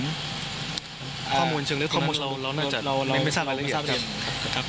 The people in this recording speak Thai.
ข้อมูลจึงเรื่องที่นั้นเราน่าจะไม่รู้สึกอะไรละเอียดกันครับครับ